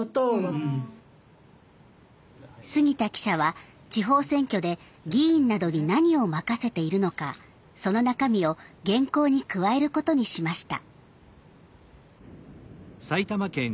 杉田記者は地方選挙で議員などに何を任せているのかその中身を原稿に加えることにしました。